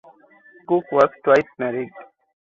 Cook was twice married.